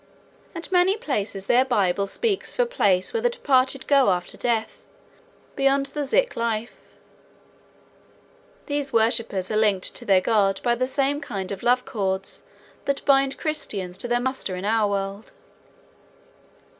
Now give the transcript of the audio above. At many places their Bible speaks of a place where the departed go after death, beyond the Zik life. These worshipers are linked to their God by the same kind of love chords that bind Christians to their Master in our world.